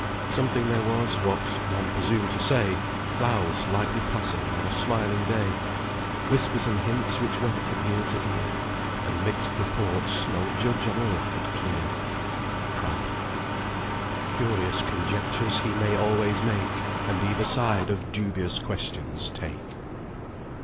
"Something there was, what, none presumed to say, Clouds lightly passing on a smiling day, Whispers and hints which went from ear to ear, And mixed reports no judge on earth could clear." CRABBE. "Curious conjectures he may always make, And either side of dubious questions take."